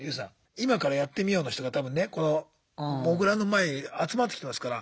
今からやってみようの人が多分ねこのモグラの前に集まってきてますから。